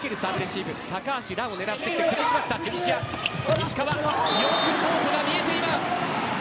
石川、よくコートが見えています。